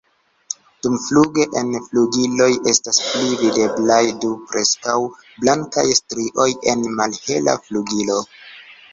Dumfluge en flugiloj estas pli videblaj du preskaŭ blankaj strioj en malhela flugilo.